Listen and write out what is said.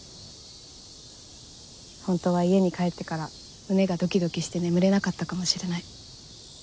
本当は家に帰ってから胸がドキドキして眠れなかったかもしれない。